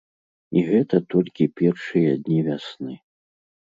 І гэта толькі першыя дні вясны.